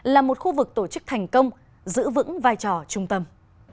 là một khu vực tổ chức thành công giữ vững vai trò trung tâm